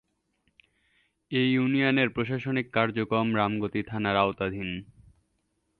এ ইউনিয়নের প্রশাসনিক কার্যক্রম রামগতি থানার আওতাধীন।